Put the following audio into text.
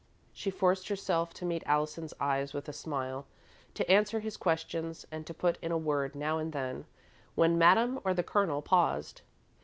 She forced herself to meet Allison's eyes with a smile, to answer his questions, and to put in a word, now and then, when Madame or the Colonel paused.